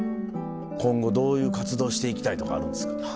今度どういう活動して行きたいとかあるんですか？